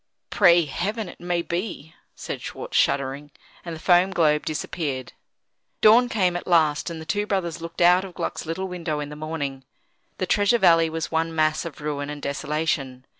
"Pray Heaven it may be!" said Schwartz, shuddering. And the foam globe disappeared. Dawn came at last, and the two brothers looked out of Gluck's little window in the morning. The Treasure Valley was one mass of ruin and desolation.